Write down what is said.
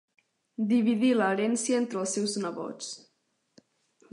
Dividí l'herència entre els seus nebots.